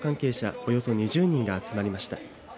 およそ２０人が集まりました。